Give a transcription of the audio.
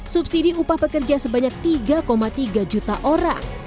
subsidi upah pekerja sebanyak tiga tiga juta orang